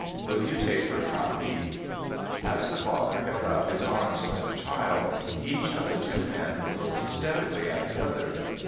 Will you talc e her from me ?' As the father held out his arms for the child, each of the two men looked steadily at the other.